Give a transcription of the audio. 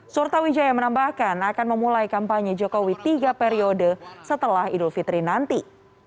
surta wijaya menambahkan akan memulai kampanye jokowi tiga periode setelah idul fitri nanti